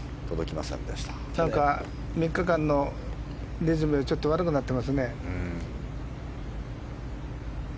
なんか３日間のリズムで悪くなっていますね。